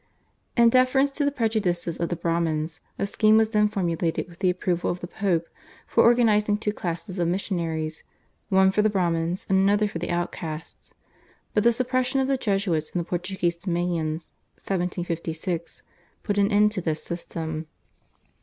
In deference to the prejudices of the Brahmins a scheme was then formulated with the approval of the Pope for organising two classes of missionaries, one for the Brahmins and another for the outcasts, but the suppression of the Jesuits in the Portuguese dominions (1756) put an end to this system.